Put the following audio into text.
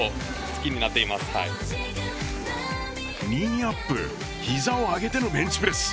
ニーアップ膝を上げてのベンチプレス。